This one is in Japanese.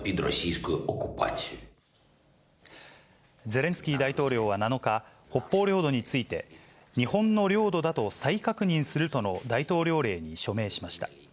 ゼレンスキー大統領は７日、北方領土について、日本の領土だと再確認するとの大統領令に署名しました。